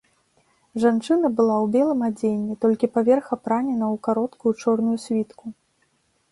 Жанчына была ў белым адзенні, толькі паверх апранена ў кароткую чорную світку.